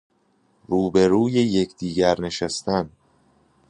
رو به رو یکدیگر نشستن